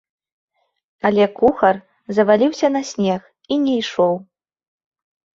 Але кухар заваліўся на снег і не ішоў.